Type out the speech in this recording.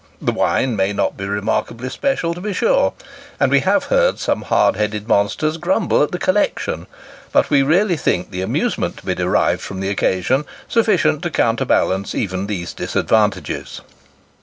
The wine may not be remarkably special, to be sure, and we have heard some hard hearted monsters grumble at the collection ; but we really think the amusement to be derived from the occasion, sufficient to counterbalance, even these disadvantages.